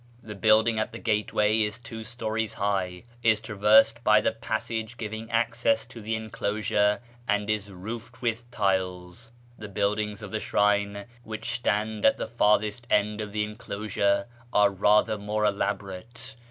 The building at the gateway is two storeys high, is traversed by the passage giving access to the enclosure, and is roofed with tiles. The buildings of the shrine, which stand at the farther end of the enclosure, are rather more elaborate.